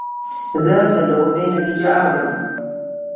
زه د لوبې نتیجه اورم.